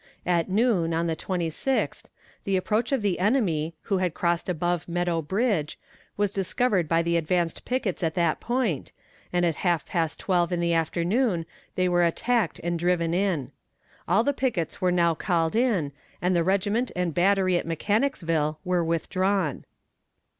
At noon, on the twenty sixth, the approach of the enemy, who had crossed above Meadow Bridge, was discovered by the advanced pickets at that point, and at half past twelve in the afternoon they were attacked and driven in. All the pickets were now called in, and the regiment and battery at Mechanicsville were withdrawn.